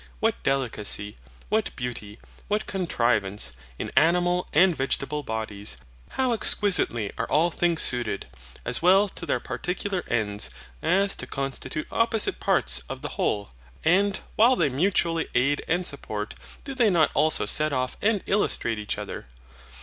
What delicacy, what beauty, what contrivance, in animal and vegetable bodies I How exquisitely are all things suited, as well to their particular ends, as to constitute opposite parts of the whole I And, while they mutually aid and support, do they not also set off and illustrate each other?